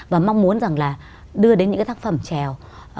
và mong muốn rằng là đưa đến những cái tác phẩm trèo